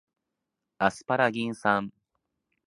アスパラギン酸